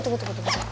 tunggu tunggu tunggu